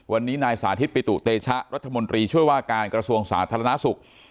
วันนี้นายสาธิตปิตุเตชะรัฐมนตรีช่วยว่าการกระทรวงสาธารณสุข